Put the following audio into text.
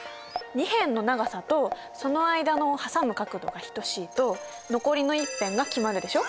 ２辺の長さとその間の挟む角度が等しいと残りの１辺が決まるでしょ。